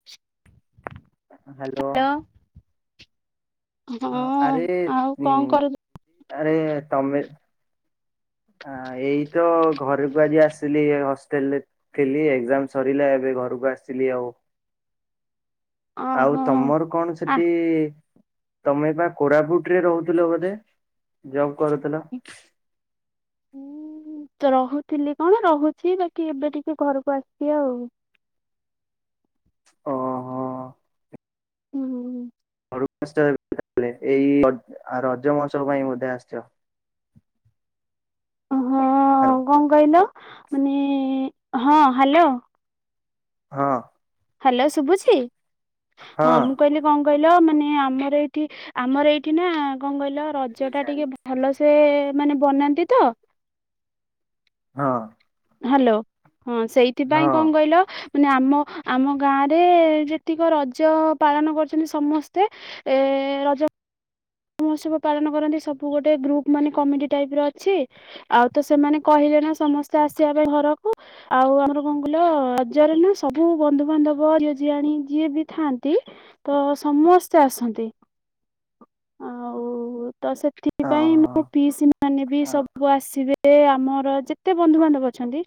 [unintelligible] ହା hello. Hello. ହଁ ଆରେ ଆଉ ଉଁ କଣ କରୁ ଆରେ ତମେ ଆ ଏଇ ତ ଘରକୁ ଆଜି ଆସିଲି। ଏ ହଷ୍ଟେଲ ରେ ଥିଲି। ଏକ୍ଜାମ୍ ସରିଲା ଏବେ ଘରକୁ ଆସିଲି ଆଉ। ଆଉ ଓହୋ ତମର କଣ ଆ ସେଠି ତମେ ପା କୋରାପୁଟ୍ ରେ ରହୁଥୁଲ ବୋଧେ? ଜବ୍ କରୁଥିଲ। ହୁଁ। ହୁଁ ମୁଁ ତ ରହୁଥିଲି କଣ ରହୁଛି ବାକି ଏବେ ଟିକେ ଘରକୁ ଆସିଚି ଆଉ। ଓ ହଁ। ଉଁ ହୁଁ। ଘରକୁ ଆସିଚ ଭାରି ତାହେଲେ। ଏଇ ରଜ୍ ଆ ରଜ ମହୋତ୍ସବ ପାଇଁ ବୋଧେ ଆସିଚ? ହଁ ହାରୋ କଣ କହିଲ? ମାନେ ହଁ ହ୍ୟାଲୋ। ହଁ। ହ୍ୟାଲୋ ଶୁଭୁଛିି? ହଁ ମୁଁ କହିଲି କଣ କହିଲ? ମାନେ ଆମର ଏଇଠି ଆମର ଏଇଠି ନା କଣ କହିଲ ରଜ ଟା ଟିକେ ଭଲ ସେ ମାନେ ବନାନ୍ତି ତ। ହଁ। ହାଲୋ। ହଁ ସେଇଥିପାଇଁ ହଁ କଣ କହିଲ ମାନେ ଆମ ଆମ ଗାଁରେ ଯେତିକ ରଜ ପାଳନ କରୁଛନ୍ତି ସମସ୍ତେ ମାନେ ଏ ରଜ। ମହୋତ୍ସବ ପାଳନ କରନ୍ତି। ସବୁ ଗୋଟେ ଗ୍ରୁପ୍ ମାନେ କମିଡି ଟାଇପ୍ ର ଅଛି। ଆଉ ତ ସେମାନେ କହିଲେ ନା ସମସ୍ତେ ଆସିବା ପାଇଁ ଘରକୁ। ଆଉ ଆମର କଣ କହିଲ? ରଜରେ ନାଁ ସବୁ ବନ୍ଧୁବାନ୍ଧବ ଝିଅଝିଆଣି ଯିଏ ବି ଥାନ୍ତି ତ ସମସ୍ତେ ଆସନ୍ତି। [inaudible] ହୁଁ। ତ ହଁ ସେଥିପାଇଁ ମୁଁ ମୋ ହଁ ପିଇସୀ ମାନେ ବି ସବୁ ଆସିବେ। ଆମର ଯେ ଯେତେ ବନ୍ଧୁବାନ୍ଧବ ଅଛନ୍ତି।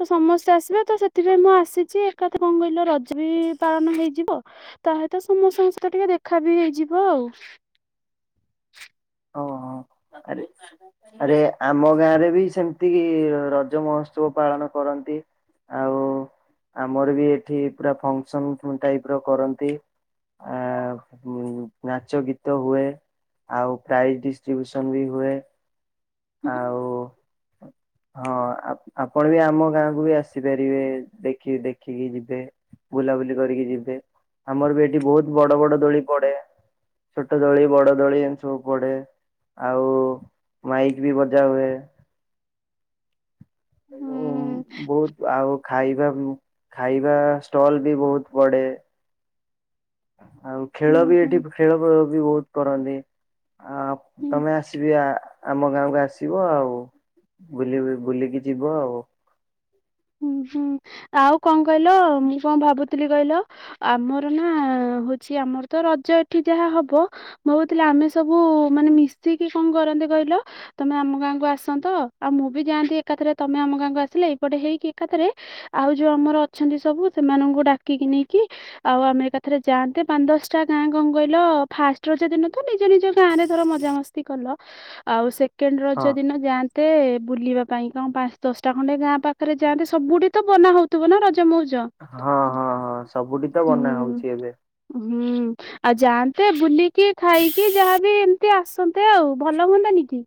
ତ ସମସ୍ତେ ଆସିବେ ତ ସେଥିପାଇଁ ମୁଁ ଆସିଛି ଏକାଥରେ କଣ କହିଲ ରଜ ବି ପାଳନ ହେଇଯିବ। ତା ସହିତ ସମସ୍ତଙ୍କ ସହିତ ଟିକେ ଦେଖା ବି ହେଇଯିବ ଆଉ। ଓହୋ ହଁ। ଆରେ ଆରେ ଆମ ଗାଁ ରେ ବି ସେମିତି କି ରଜ ମହୋତ୍ସବ ପାଳନ କରନ୍ତି। ଆଉ ଆମର ବି ଏଠି ପୁରା ଫଙ୍କସନ୍ ଉଁ ଟାଇପ୍ ର କରନ୍ତି। ଆଉ ନାଚ ଗୀତ ହୁଏ ଆଉ ପ୍ରାଇଜ୍ ଡିଷ୍ଟ୍ରିବ୍ୟୁସନ୍ ବି ହୁଏ ହୁଁ। ଆଉ ହଁ ଆପ ଆପଣ ବି ଆମ ଗାଁକୁ ବି ଆସି ପାରିବେ ଦେଖି ଦେଖିକି ଯିବେ। ବୁଲାବୁଲି କରିକି ଯିବେ ଆମର ବି ଏଠି ବୋହୁତ୍ ବଡ଼ ବଡ଼ ଦୋଳି ପଡ଼େ। ଛୋଟ ଦୋଳି ବଡ଼ ଦୋଳି ଏମିତି ସବୁ ପଡ଼େ ଆଉ ମାଇକ୍ ବି ବଜା ହୁଏ। ହୁଁ ବୋହୁତ ଆଉ ଖାଇବା ଖାଇବା ଷ୍ଟଲ ବି ବୋହୁତ ପଡେ। ଆଉ ଖେଳ ହୁଁ ବି ହୁଁ। ଏଠି ଖେଳ ବି ବୋହୁତ କରନ୍ତି। ଆପ ହୁଁ ତମେ ଆସିବି ଆ ଆମ ଗାଁକୁ ଆସିବ ଆଉ ବୁଲି ବୁଲିକି ଯିବ ଆଉ ହୁଁ ହୁଁ ଆଉ କଣ କହିଲ ମୁଁ କଣ ଭାବୁଥିଲି କହିଲ? ଆମର ନା ହୋଉଚି ଆମର ତ ରଜ ଏଠି ଯାହା ହବ ଭାବୁଥିଲି ଆମେ ସବୁ ମାନେ ମିଶିକି କଣ କରନ୍ତେ କହିଲ ତମେ ଆମ ଗାଁକୁ ଆସନ୍ତ ତ ଆଉ ମୁଁ ବି ଯାଆନ୍ତି ଏକାଥରେ ତମେ ଆମ ଗାଁକୁ ଆସିଲେ ଏଇପଟେ ହେଇକି ଏକାଥରେ ଆଉ ଯୋଉ ଆମର ଅଛନ୍ତି ସବୁ ସେମାନଙ୍କୁ ଡାକିକି ନେଇକି ଆଉ ଆମେ ଏକା ଥରେ ଯାଆନ୍ତେ ପାଞ୍ଚ ଦଶଟା ଗାଁ କଣ କଇଲ ଫାଷ୍ଟ ରଜ ଦିନ ତ ନିଜ ନିଜ ଗାଁରେ ଧର ମଜାମସ୍ ଏମିତି କଲ ଆଉ ସେକେ କେଣ୍ଡ ରଜ ହଁ ଦିନ ଯାଆନ୍ତେ ବୁଲିବା ପାଇଁ କଣ ପାଞ୍ଚ ଦଶଟା ଖଣ୍ଡେ ଗାଁ ପାଖରେ ଯାଆନ୍ତେ ସବୁଠି ତ ବନା ହୋଉଥିବ ନା ରଜ ମଉଜ। ହଁ ହଁ ହଁ ସବୁଠି ତ ବନା ହୁଁ ହୋଉଚି ଏବେ। ହୁଁ। ଆଉ ଯାଆନ୍ତେ ବୁଲିକି ଖାଇକି ଯାହାବି ଏମିତି ଆସନ୍ତେ ଆଉ ଭଲ ହୁଅନ୍ତାନି କି?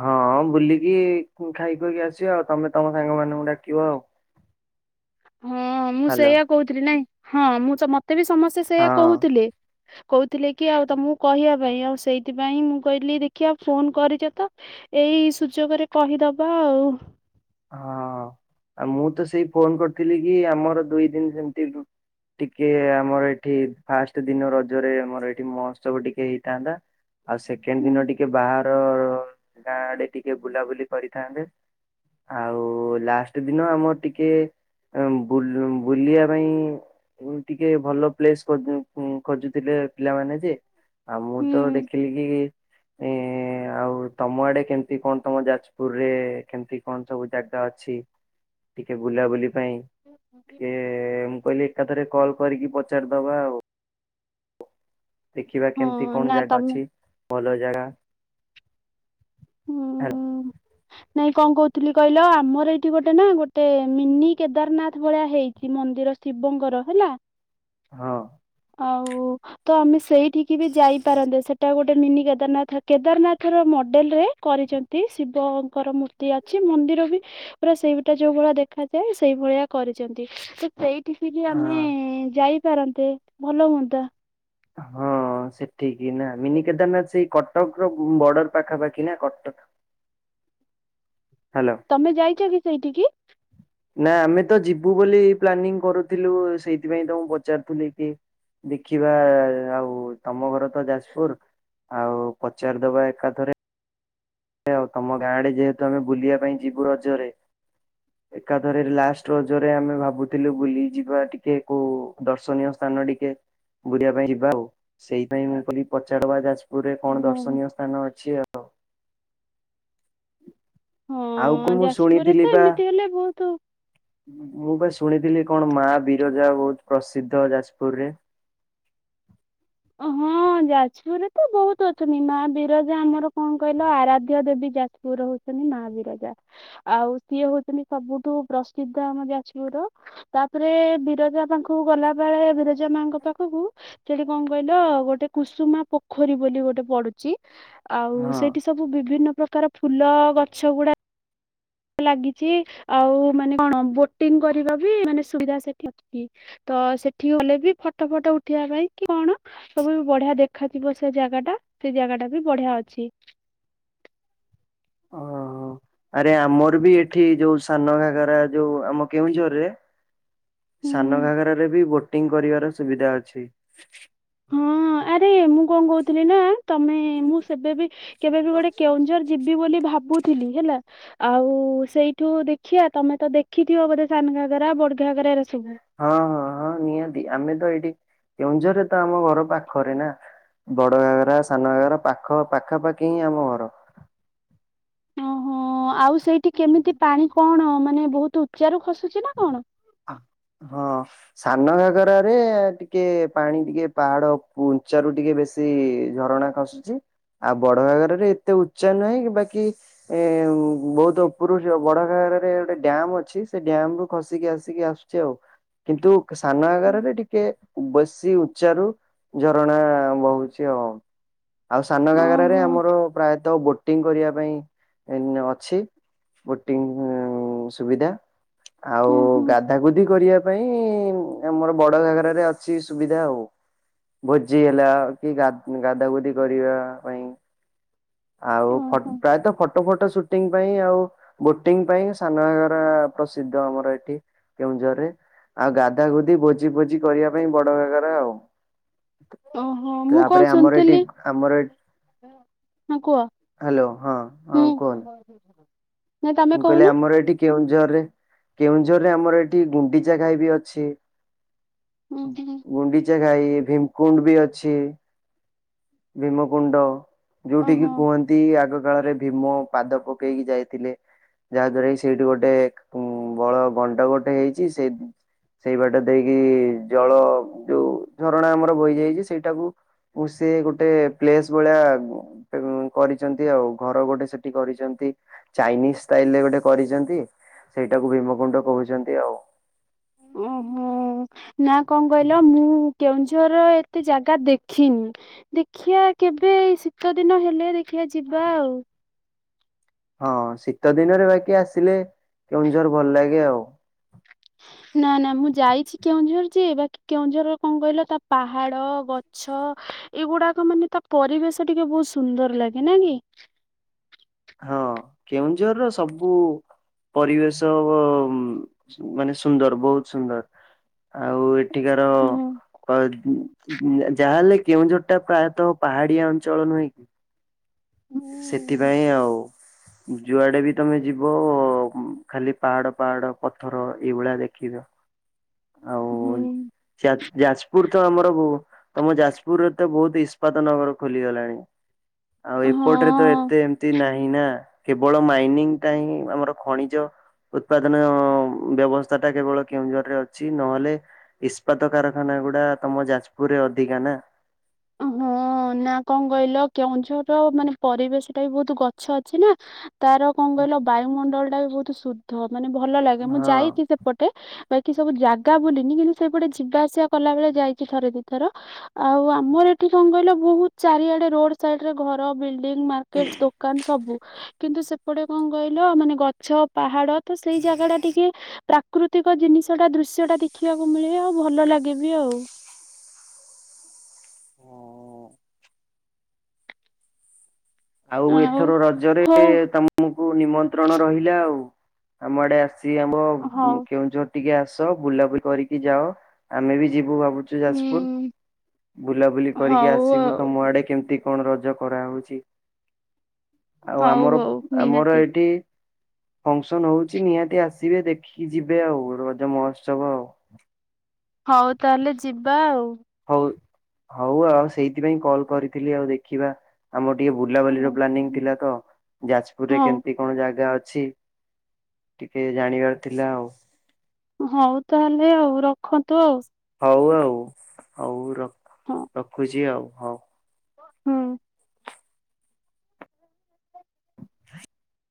ହଁ ବୁଲିକି ଖାଇଖୁଆକି ଆସିବା ଆଉ ତମେ ତମ ସାଙ୍ଗମାନଙ୍କୁ ଡାକିବ ଆଉ ହଁ ମୁଁ ହ୍ୟାଲୋ ସେଇଆ କହୁଥିଲି ନାଇଁ ହଁ ମୁଁ ତ ମତେ ବି ସମସ୍ତେ ହଁ ସେଇୟା ହଁ। କହୁଥିଲେ। କହୁଥିଲେ କି ଆଉ ତମକୁ କହିବା ପାଇଁ ଆଉ ସେଇଥିପାଇଁ ମୁଁ କହିଲି ଦେଖିବା ଫୋନ କରିଚ ତ ଏଇ ସୁଯୋଗରେ କହିଦବା ଆଉ ହଁ ଆଉ ମୁଁ ତ ସେଇ ଫୋନ କରିଥିଲି କି ଆମର ଦୁଇ ଦିନ ସେମିତି ଟିକେ ଆମର ଏଠି ଫାଷ୍ଟ ଦିନ ରଜରେ ଆମର ଏଠି ମହୋତ୍ସବ ଟିକେ ହେଇଥାନ୍ତା। ଆଉ ସେକେଣ୍ଡ ହୁଁ ଦିନ ଟିକେ ବାହାର ଗାଁଆଡରେ ଟିକେ ବୁଲାବୁଲି କରିଥାନ୍ତେ। ଆଉ ଲାଷ୍ଟ ଦିନ ଆମର ଟିକେ ବୁଲୁ ବୁଲିବା ପାଇଁ ଏଇଖୁଣି ଟିକେ ଭଲ ପ୍ଲେସ ଖୋଜୁଥିଲେ ପିଲାମାନେ ଯେ। ଆଉ ମୁଁ ହୁଁ ତ ଦେଖିଲି କି ଏଁ ଏଁ ଆଉ ତମ ଆଡେ କେମି ସେଠି କଣ ତମ ଯାଜପୁର ରେ କେମିତି କଣ ସବୁ ଜାଗା ଅଛି? ଟିକେ ବୁଲାବୁଲି ପାଇଁ ଟିକେ ମୁଁ କହିଲି ଏକାଥରେ କଲ୍ କରିକି ପଚା ପଚାରିଦବା ଆଉ। ଦେଖିବା କେମିତି ହଁ କଣ ନା ଜାଗା ତମେ ଅଛି ଭଲ ଜାଗା। ହେଲା ହୁଁ। ନାଇଁ କଣ କହୁଥିଲି କହିଲ ଆମର ଏଇଠି ଗୋଟେ ନା ଗୋଟେ ମିନି କେଦାରନାଥ ଭଳିଆ ହେଇଚି। ଏଇ ମନ୍ଦିର ଶିବଙ୍କର ହେଲା। ହଁ। ଆଉ। ତ ଆମେ ସେଇଠିକି ବି ଯାଇପାରନ୍ତେ ସେଟା ଗୋଟେ ମିନି କେଦାରନାଥ କେଦାରନାଥର ମଡେଲରେ କରିଚନ୍ତି। ଠି ଶିବଙ୍କର ମୂର୍ତ୍ତି ଅଛି ମନ୍ଦିର ହି ପୁରା ସେଇଟା ଯୋଉ ଭଳିଆ ଦେଖାଯାଏ ସେଇ ଭଳିଆ କରିଛନ୍ତି। ସେ ସେଇଠିିକି ଯେ ଆମେ ହଁ ଯାଇପାରନ୍ତେ ଭଲ ହୁଅନ୍ତା। ହଁ। ହଁ ସେଠିକି ନା ମିନିକେଦାରନାଥ ସେଇ କଟକ ର ବର୍ଡର ପାଖାପାଖି ନା କଟକ? ହାଲୋ। ତମେ ଯାଇଚ କି ସେଇଠି କି? ନା ଆମେ ତ ଯିବୁ ବୋଲି ପ୍ଲାନିଂ କରୁଥିଲୁ ସେଇଥିପାଇଁ ତ ମୁଁ ପଚାରୁଥିଲି କି? ଦେଖିବା ଆ ଆଉ ତମ ଘର ତ ଯାଜପୁର। ଆଉ ପଚାରିଦବା ଏକାଥରେ। ଆଉ ତମ ଗାଁ ଆଡ଼େ ଯେହେତୁ ଆମେ ବୁଲିବା ପାଇଁ ଯିବୁ ରଜରେ। ଏକାଥରେ ଲାଷ୍ଟ୍ ରଜରେ ଆମେ ଭାବୁଥିଲୁ ବୁଲିଯିବା ଟିକେ କୋଉ ଦର୍ଶନୀୟ ସ୍ଥାନ ଟିକେ। ବୁଲିବା ପାଇଁ ଯିବା ଆଉ ସେଇଥିପାଇଁ ମୁଁ କହିଲି ପଚାରିଦବା ଯାଜପୁରୁରେ କଣ ହଁ। ଦର୍ଶନୀୟ ସ୍ଥାନ ଅଛି ଆଉ। ଆଉ କଁ ହଁ ମୁଁ ଯାଜପୁରରେ ଶୁଣିଥିଲି ତ ବା ଏମିତି ହେଲେ ବହୁତ ମୁଁ ବା ଶୁଣିଥିଲି, କଣ ମା ବିରଜା ବହୁତ ପ୍ରସିଦ୍ଧ ଯାଜପୁରରେ। ହଁ, ଯାଜପୁରରେ ତ ବହୁତ୍ ଅଛନ୍ତି। ମା ବିରଜା ଆମର କଣ କହିଲ ଆରାଧ୍ୟ ଦେବୀ। ଯାଜ୍ ପୁର ର ହଉଛନ୍ତି ମା ବିରଜା। ଆଉ ସିଏ ହଉଛନ୍ତି ସବୁଠୁ ପ୍ରସିଦ୍ଧ ଆମ ଯାଜପୁରର। ତାପରେ ବିରଜା ପାଙ୍ଖ କୁ ଗଲାବେଳେ, ବିରଜା ମାଙ୍କ ପାଖକୁ, ସେଠି କଣ କହିଲ, ଗୋଟେ କୁସୁମା ପୋଖରୀ ବୋଲି ଗୋଟେ ପଡ଼ୁଚି। ଆଉ ହଁ ସେଇଠି ସବୁ ବିଭିନ୍ନ ପ୍ରକାର ଫୁଲ ଗଛ ଗୁଡା ଲାଗିଚି। ଆଉ ମାନେ, କଣ ବୋଟିଂ କରିବା ଭି ମାନେ ସୁବିଧା ସେଠି ଅଛି। ତ ସେଠି ଗଲେ, ବି ଫଟୋ ଫଟ ଉଠେଇବା ପାଇଁ କି କଣ? ସବୁ ବି ବଢିଆ ଦେଖାଯିବ ସେ ଜାଗା ଟା। ସେ ଜାଗା ଟା ବି ବଢିଆ ଅଛି। ଓହୋ। ଆରେ ଆମର ବି ଏଠି ଯୋଉ ସାନଘାଘରା, ଯୋଉ ଆମ କେଉଁଝରରେ ସାନ ହୁଁ ଘାଘରାରେ ବି ବୋଟିଂ କରିବାର ସୁବିଧା ଅଛି। ହଁ। ଆରେ, ମୁଁ କଣ କହୁଥିଲି ନା ତମେ, ମୁଁ ସେବେ ବି କେବେ ବି ଗୋଟେ କେଉଁଝର ଯିବି ବୋଲି ଭାବୁଥିଲି ହେଲା। ଆଉ ସେଇଠୁ ଦେଖିଆ। ତମେ ତ ଦେଖିଥିବ ବୋଧେ, ସାନଘାଘରା, ବଡଘାଘରା ଏରା ସବୁ। ହଁ, ହଁ, ହଁ। ନିହାତି, ଆମେ ତ ଏଇଠି କେଉଁଝରରେ ତ ଆମ ଘର ପାଖରେ ନା। ବଡଘାଘରା, ସାନଘାଘରା ପାଖ-ପାଖାପାଖି ହିଁ ଆମ ଘର। ଓହୋ, ଆଉ ସେଇଠି କେମିତି ପାଣି କଣ ମାନେ ବହୁତୁ ଉଚ୍ଚାରୁ ଖସୁଛି ନା କଣ? ହଁ। ସାନଘାଘରା ରେ ଟିକେ ପାଣି, ଟିକେ ପାହାଡ ଉଞ୍ଚାରୁ ଟିକେ ବେଶୀ ସେଇ ଝରଣା ଖସୁଚି। ଆଉ ବଡଘାଘରାରେ ଏତେ ଉଚ୍ଚା ନାହିଁ। ବାକି ଏ ବହୁତ ଉପରୁ ଯୋଉ ବଡଘାଘରା ରେ ଗୋଟେ ଡ୍ୟାମ୍ ଅଛି। ସେଠ୍ ଡ୍ୟାମ୍ ରୁ ଖସିକି ଆସିକି ଆସୁଚି ଆଉ, କିନ୍ତୁ ସାନଘାଘରା ରେ ଟିକେ ବେଶି ଉଚ୍ଚା ରୁ ଝରଣା ବହୁଚି ଆଉ। ଆଉ ସାନ ଘାଘରା ଘରେ ଓହୋ ଆମର ପ୍ରାୟତଃ ଗୋଟ୍ ବୋଟିଂ କରିବା ପାଇଁ ଅଛି ବୋଟିଂ ଉଁ ସୁବିଧା। ଆଉ ହୁଁ ହୁଁ ଗାଧା-ଗୁଧି କରିବା ପାଇଁ ଆମର ବଡ ଘାଘରା ରେ ଅଛି ସୁବିଧା ଆଉ। ଭୋଜି ହେଲା କି ଗାଧ୍ ଗାଧା-ଗୁଧି କରିବା ପାଇଁ ଆଉ ଓହୋ ଫଟ୍-ପ୍ରାୟତଃ ଫଟୋ ଫଟ ସୁଟିଂ ପାଇଁ ଆଉ ବୋଟିଂ ପାଇଁ ସାନଘାଘରା ପ୍ରସିଦ୍ଧ, ଆମର ଏଠି କେଉଁଝରରେ। ଆଉ ଗାଧା-ଗୁଧି, ଭୋଜି-ଫୋଜି କରିବା ପାଇଁ ବଡଘାଘରା ଆଉ। ଓହୋ ମୁଁ କଣ ତାପରେ ଆମର ଏଠି ଶୁଣିଥିଲି ଆମର ଏ [inaudible] ହଁ କୁହ। ହାଲୋ ହଁ ହଁ ହୁଁ କୁହନ୍ [inaudible] ମୁଁ କହିଲି କହୁନ ଆମର ଏଠି କେଉଁଝରରେ କେଉଁଝରରେ ଆମର ଏଠି ଗୁଣ୍ଡିଚା ଘାଇ ବି ଅଛି। ହୁଁ ଉଁ ହୁଁ ଗୁଣ୍ଡି ଚା ଘାଇ ଭୀମକୁଣ୍ଡ ବି ଅଛି ଭୀମକୁଣ୍ଡ। ଯୋଉଠିକି ଓହୋ କୁହନ୍ତି ଆଗ କାଳରେ ଭୀମ ପାଦ ପକେଇକି ଯାଇଥିଲେ। ଯାହା ଦ୍ୱାରା କି ସେଇଠି ଗୋଟେ ଉଁ ବଳ ଗଣ୍ଡ ଗୋଟେ ହେଇଛି ସେଇ ସେଇ ବାଟ ଦେଇକି ଜଳ ଯୋଉ ଝରଣା ଆମର ବୋହି ଯାଇଚି ସେଇଟାକୁ ଉ ସିଏ ଗୋଟେ ପ୍ଲେସ୍ ଭଳିଆ ଉଁ ଗୁଟେ ଉଁ କରିଛନ୍ତି ଆଉ ଘର ଗୋଟେ ସେଠି କରିଛନ୍ତି। ଚାଇନିଜ୍ ଷ୍ଟାଇଲରେ ଗୋଟେ କରିଚନ୍ତି ସେଇଟାକୁ ଭୀମକୁୁଣ୍ଡ କହୁଚନ୍ତି ଆଉ। ଓଁ ହୋଁ ନା କଁ କହିଲ ମୁଁ କେଉଁଝରରେ ଏତେ ଜାଗା ଦେଖିନି ଦେଖିଆ କେବେ ଶୀତ ଦିନ ହେଲେ ଦେଖିଆ ଯିବା ଆଉ। ହଁ ଶୀତ ଦିନେରେ ବାକି ଆସିଲେ କେଉଁଝର ଭଲ ଲାଗେ ଆଉ। ନା ନା ମୁଁ ଯାଇଛି କେଉଁଝର ଯେ ବାକି କେଉଁଝରରେ କଁ କହିଲ ତା ପାହାଡ ଗ ଛ ଏଇଗୁଡାକ ମାନେ ତା ପରିବେଶ ଟିକେ ବୋହୁତ ସୁନ୍ଦର ଲାଗେ ନା କି। ହଁ କେଉଁଝରର ସବୁ ପରିବେଶ ବ ଉଁ ଉଁ ମାନେ ସୁନ୍ଦର ବୋହୁତ ସୁନ୍ଦର। ଆଉ ଏଠିକାର ହୁଁ ପା ଉଁ ଉଁ ଉଁ ଆ ଯାହାହେଲେ କେଉଁଝରଟା ପ୍ରାୟତଃ ପାହାଡିଆ ଅଞ୍ଚଳ ନୁହେଁ କି। ହୁଁ ସେଥିପାଇଁ ଆଉ। ଉଁ ଯୁଆଡେ ବି ତମେ ଯିବ ଉଁ ଖାଲି ପାହାଡ ପାହାଡ ପଥର ଏଇଭଳିଆ ଦେଖିବ। ଆଉ ହୁଁ ଚା ଯାଜପୁର ତ ଆମର ବୁ ତମ ଯାଜପୁରରେ ତ ବୋହୁତ ଇସ୍ପାତ ନଗର ଖୋଲିଗଲାଣି। ଆଉ ଏପଟରେ ତ ହଁ ଏତେ ଏମତି ନାହିଁ ନା କେବଳ ମାଇନିଂଟା ହିଁ ଆମର ଖଣିଜ ଉତ୍ପାଦନ ଉଁ ବ୍ୟବସ୍ଥାଟା କେବଳ କେଉଁଝରରେ ଅଛି ନହେଲେ ଇସ୍ପାତ କାରଖାନାଗୁଡା ତମ ଯାଜପୁରରେ ଅଧିକା ନା। ହଁ ନା କଁ କହିଲ କେଉଁଝରର ମାନେ ପରିବେଶଟା ବି ବୋହୁତୁ ଗଛ ଅଛି ନା। ତାର କଁ କହିଲ ବାୟୁମଣ୍ଡଳଟା ବି ବୋହୁତୁ ଶୁଦ୍ଧ ମାନେ ଭଲ ଲାଗେ ମୁଁ ହଁ। ଯାଇଚି ସେପଟେ ବା କି ସବୁ ଜାଗା ବୁଲିନି କିନ୍ତୁ ସେଇ ପଟେ ଯିବା ଆସିବା କଲାବେଳେ ଯାଇଚି ଥରେ ଦି ଥର ଆଉ ଆ ମର ଏଠି କଁ କହିଲ ବୋହୁତ ଚାରିଆଡେ ରୋଡ ସାଇଡରେ ଘର ବିଲଡିଂ ମାର୍କେଟ୍ ଦୋକାନ ସବୁ। କିନ୍ତୁ ସେପଟେ କଁ କହିଲ ମାନେ ଗଛ ପାହାଡ ତ ସେଇ ଜାଗାଟା ଟିକେ ପ୍ରାକୃତିକ ଜିନିଷଟା ଦୃଶ୍ୟଟା ଦେଖିବାକୁ ମିଳେ ଆଉ ଭଲ ଲାଗେ ବିି ଆଉ। ହଁ। ଆଉ ଏଥର ରଜରେ ହଉ ତମୁକୁ ନିମନ୍ତ୍ରଣ ରହିଲା ଆଉ ଆମ ଆଡେ ଆସ୍ ସି ଆମ ଉଁ ହଉ କେଉଁଝର ଟିକେ ଆସ ବୁଲାବୁଲି କରିକି ଯାଅ ଆମେ ବି ଯିବୁ ଭାବୁ ଚୁ ଯାଜପୁର ହୁଁ ବୁଲାବୁଲି କରିକି ହଉ ଆସିବୁ ଆଉ ତମ ଆଡେ କେମତି କଣ ରଜ କରାହଉଚି। ଆଉ ହଉ ଆମର ହଉ ଆମର ନିହାତି ଏଠି ଫଙ୍କସନ୍ ହଉଚି ନିହାତି ଆସିବେ ଦେଖିକି ଯିବେ ଆଉ ରଜ ମହୋତ୍ସବ ଆଉ। ହଉ ତାହେଲେ ଯିବା ଆଉ। ହଉ ହଉ ଆଉ ସେଇଥିପାଇଁ କଲ୍ କରିଥିଲି ଆଉ ଦେଖିବା ଆମର ଟିକେ ବୁଲାବାଲି ର ପ୍ଲାନିଂ ଥିଲା ତ। ଯାଜପୁରରେ ହଉ କେମିତି କଣ ଜାଗା ଅଛି ଟିକେ ଜାଣିବାର ଥିଲା ଆଉ। ହଉ ତାହେଲେ ଆଉ ରଖନ୍ତୁ ଆଉ। ହଉ ଆଉ ହଉ ର ହଁ ରଖୁଚି ଆଉ ହଉ। ହୁଁ।